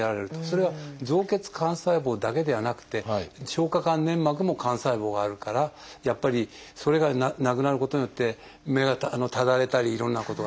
それは造血幹細胞だけではなくて消化管粘膜も幹細胞があるからやっぱりそれがなくなることによって目がただれたりいろんなことが起きると。